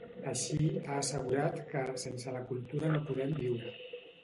Així, ha assegurat que “sense la cultura no podem viure”.